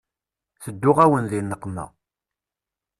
Tedduɣ-awen di nneqma.